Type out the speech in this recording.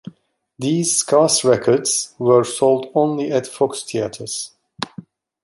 These scarce records were sold only at Fox Theaters.